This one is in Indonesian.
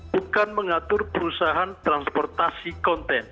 bukan mengatur perusahaan transportasi konten